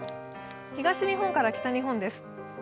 東日本から北日本です。